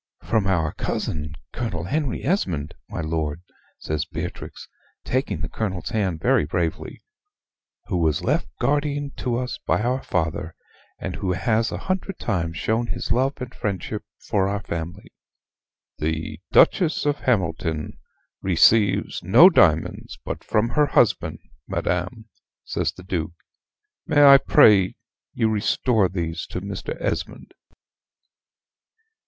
"From our cousin, Colonel Henry Esmond, my lord," says Beatrix, taking the Colonel's hand very bravely, "who was left guardian to us by our father, and who has a hundred times shown his love and friendship for our family." "The Duchess of Hamilton receives no diamonds but from her husband, madam," says the Duke "may I pray you to restore these to Mr. Esmond?"